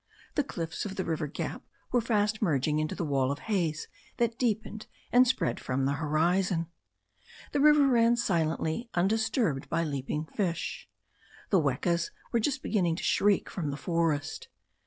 The cliffs of the river gap were fast merging into the wall of haze that deepened and spread from the horizon. The river ran silently undisturbed by leaping fish. The wekas were just beginning to shriek from the forest.